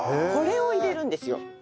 これを入れるんですよ。